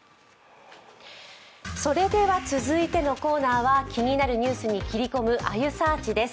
続いてのコーナーは気になるニュースに切り込む「あゆサーチ」です。